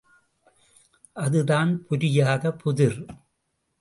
அதுதான் புரியாத புதிர்!